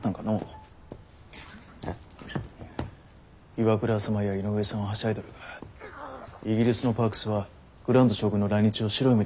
岩倉様や井上さんははしゃいどるがイギリスのパークスはグラント将軍の来日を白い目で見ちょる。